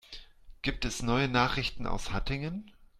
Gibt es neue Nachrichten aus Hattingen?